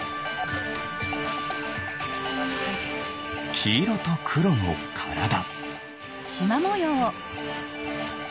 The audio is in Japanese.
きいろとくろのからだ。